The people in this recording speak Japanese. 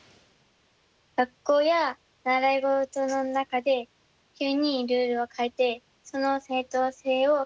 学校や習い事の中で急にルールを変えてその正当性を主張する人がいます。